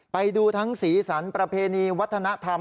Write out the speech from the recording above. ไปดูทั้งสีสันประเพณีวัฒนธรรม